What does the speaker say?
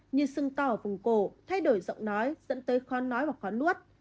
như sưng to ở vùng cổ thay đổi giọng nói dẫn tới khó nói và khó nuốt